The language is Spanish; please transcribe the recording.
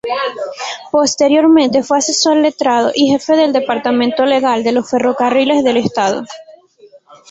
Posteriormente fue asesor letrado y jefe del Departamento Legal de los Ferrocarriles del Estado.